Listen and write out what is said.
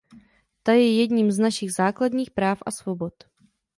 Ta je jedním z našich základních práv a svobod.